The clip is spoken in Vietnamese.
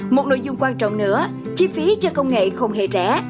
một nội dung quan trọng nữa chi phí cho công nghệ không hề rẻ